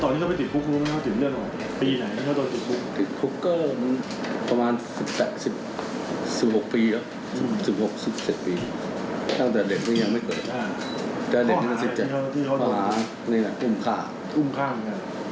นี่แหละอุ้มฆ่าอุ้มฆ่ามั้ย